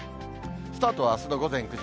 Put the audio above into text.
スタートはあすの午前９時。